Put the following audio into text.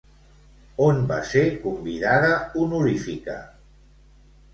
On va ser convidada honorífica?